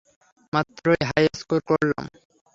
মাত্রই high score করলাম।